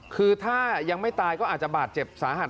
คือถ้ายังไม่ตายก็อาจจะบาดเจ็บสาหัส